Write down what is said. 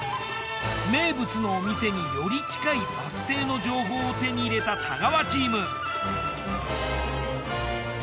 名物のお店により近いバス停の情報を手に入れた太川チーム。